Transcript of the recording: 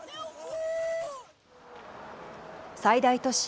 最大都市